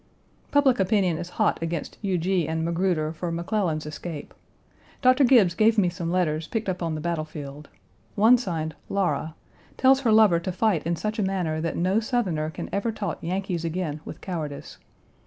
Public opinion is hot against Huger and Magruder for McClellan's escape. Doctor Gibbes gave me some letters picked up on the battle field. One signed "Laura," tells her lover to fight in such a manner that no Southerner can ever taunt Yankees again with cowardice.